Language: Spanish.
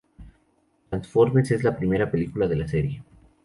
Transformers es la primera película de la serie.